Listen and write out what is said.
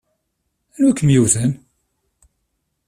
Anwa i kem-yewwten?